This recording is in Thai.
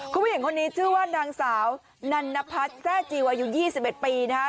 คุณผู้หญิงคนนี้ชื่อว่านางสาวนันพัดแซ่จีวายุยี่สิบเอ็ดปีนะคะ